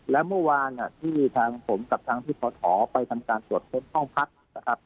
แล้วเมื่อวานอ่ะที่ทางผมกับทางพศไปทำการสวดเข้มห้องพัดนะครับ